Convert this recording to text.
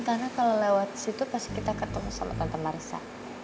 karena kalau lewat situ pasti kita ketemu sama tante marissa